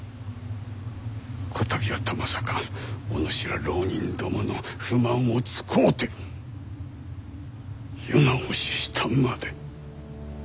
こたびはたまさかお主ら浪人どもの不満を使うて世直ししたまで。